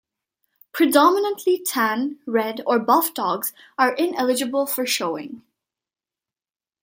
Predominantly tan, red, or buff dogs are ineligible for showing.